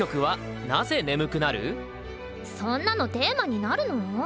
そんなのテーマになるの？